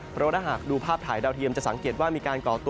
เพราะว่าถ้าหากดูภาพถ่ายดาวเทียมจะสังเกตว่ามีการก่อตัว